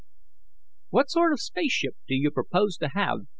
"What sort of spaceship do you propose to have?"